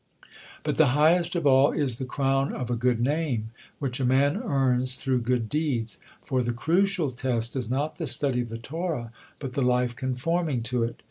But the highest of all is the crown of a good name, which a man earns through good deeds, for the crucial test is not the study of the Torah, but the life conforming to it.